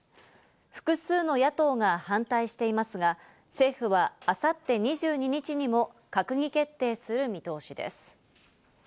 複数の野党が反対していますが、政府は明後日２２日にも閣議決定する見通しです。